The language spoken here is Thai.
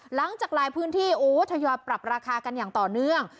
หลังจากหลายพื้นที่โอ้ทยอยปรับราคากันอย่างต่อเนื่อง